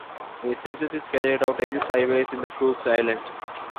A census is carried out every five years in the Cook Islands.